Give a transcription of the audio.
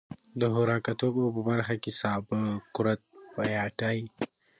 د خوراکتوکو په برخه کې سابه، کورت، پياټي.